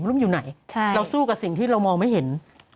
ลูกมันอยู่ไหนเราสู้กับสิ่งที่เรามองไม่เห็น